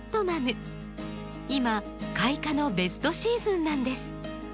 今開花のベストシーズンなんです。